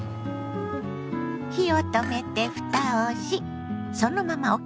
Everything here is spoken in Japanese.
火を止めてふたをしそのままおきます。